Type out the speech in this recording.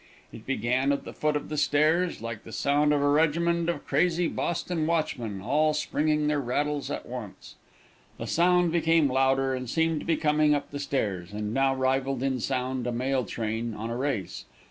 It begun at the foot of the stairs, like the sound of a regiment of crazy Boston watchmen, all springing their rattles at once. The noise became louder, and seemed to be coming up the stairs, and now rivalled in sound a mail train on a race.